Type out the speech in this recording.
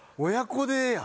親子で。